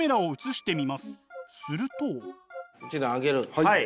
はい。